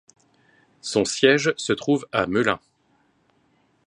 Son siège se trouve à Melun.